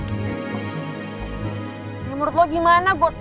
ya menurut lo gimana gue